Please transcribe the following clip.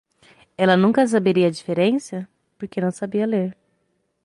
Ela nunca saberia a diferença? porque não sabia ler.